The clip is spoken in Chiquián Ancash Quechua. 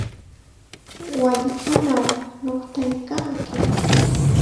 ¡Wallpanaw nuqtaykanki!